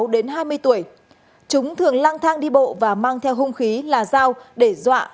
đến hai mươi tuổi chúng thường lang thang đi bộ và mang theo hung khí là dao để dọa